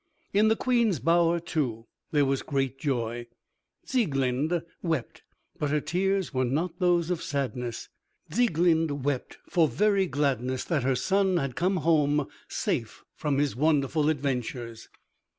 In the Queen's bower, too, there was great joy. Sieglinde wept, but her tears were not those of sadness. Sieglinde wept for very gladness that her son had come home safe from his wonderful adventures.